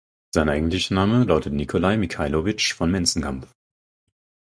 Sein eigentlicher Name lautet "Nikolai Michailowitsch von Menzenkampf".